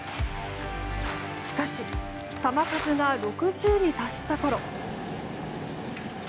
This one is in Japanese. しかし球数が６０に達したころ。